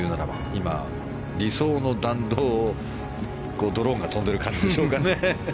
今、理想の弾道をドローンが飛んでいる感じでしょうかね。